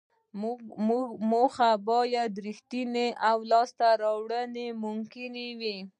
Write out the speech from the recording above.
موخه باید ریښتینې او لاسته راوړل یې ممکن وي.